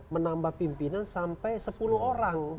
menambah pimpinan sampai sepuluh orang